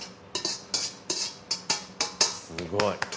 すごい。